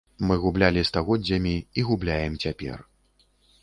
Мы гублялі стагоддзямі і губляем цяпер.